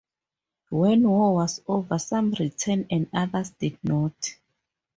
When war was over some returned and others did not.